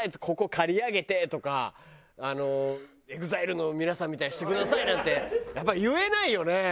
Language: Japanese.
ここ刈り上げてとかＥＸＩＬＥの皆さんみたいにしてくださいなんてやっぱり言えないよね。